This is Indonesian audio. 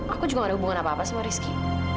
aku juga gak ada hubungan apa apa sama rizky